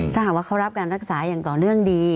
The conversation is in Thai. ถ้าหากว่าเขารับการรักษาอย่างต่อเนื่องดี